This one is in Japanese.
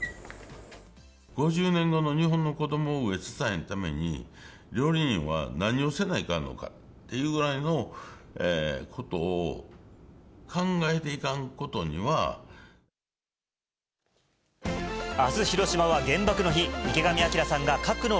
５０年後の日本の子どもを飢えさせんために、料理人は何をせないかんのかっていうぐらいのことを考えていかんふふんふふん